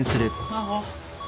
真帆！